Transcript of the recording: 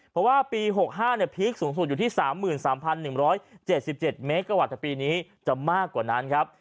เพราะว่าปี๖๕พีคสูงสุดอยู่ที่๓๓๑๗๗เมตรกว่าแต่ปีนี้จะมากกว่านั้นครับ